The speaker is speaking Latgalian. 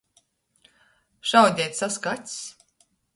Šaudeit saska acs.